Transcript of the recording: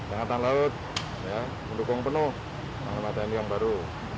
angkatan laut mendukung penuh panglima tni yang baru